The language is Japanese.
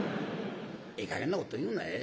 「ええかげんなこと言うな」。